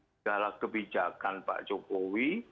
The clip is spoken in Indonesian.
segala kebijakan pak jokowi